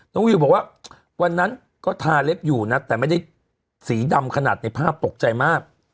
วิวบอกว่าวันนั้นก็ทาเล็บอยู่นะแต่ไม่ได้สีดำขนาดในภาพตกใจมาก